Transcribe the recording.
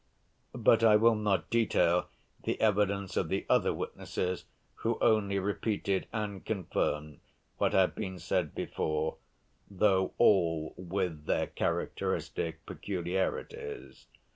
But I will not detail the evidence of the other witnesses, who only repeated and confirmed what had been said before, though all with their characteristic peculiarities.